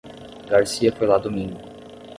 Garcia foi lá domingo.